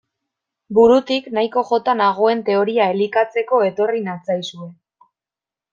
Burutik nahiko jota nagoen teoria elikatzeko etorri natzaizue.